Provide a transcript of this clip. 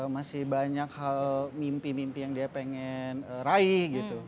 masih banyak hal mimpi mimpi yang dia pengen raih gitu